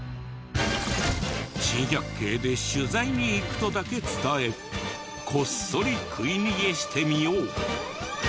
『珍百景』で取材に行くとだけ伝えこっそり喰い逃げしてみよう。